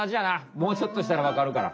もうちょっとしたらわかるから。